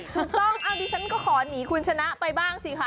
ถูกต้องดิฉันก็ขอหนีคุณชนะไปบ้างสิคะ